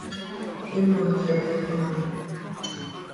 Imoz he xaaj.